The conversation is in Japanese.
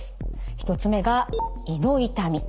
１つ目が胃の痛み。